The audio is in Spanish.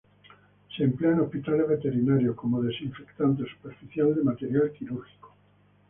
Se emplea en hospitales veterinarios como desinfectante superficial de material quirúrgico.